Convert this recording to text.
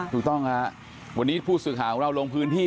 ถูกต้องครับวันนี้ผู้สื่อข่าวของเราลงพื้นที่